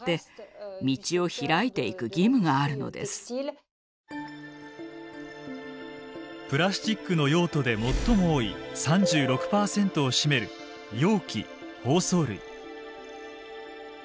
だからこそプラスチックの用途で最も多い３６％を占める容器・包装類。